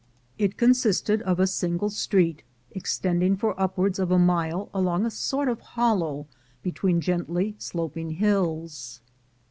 It consisted of a single street, extending for upwards of a mile along a sort of hollow between gently sloping hills.